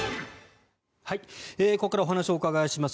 ここからお話をお伺いします